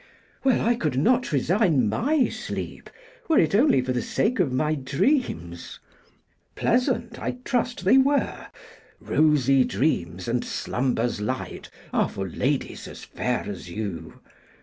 'Well, I could not resign my sleep, were it only for the sake of my dreams.' 'Pleasant I trust they were. "Rosy dreams and slumbers light" are for ladies as fair as you.